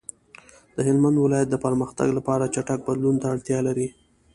د هلمند ولایت د پرمختګ لپاره چټک بدلون ته اړتیا لري.